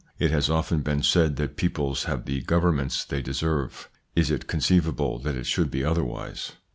It has often been said that peoples have the governments they deserve. Is it conceivable that it should be otherwise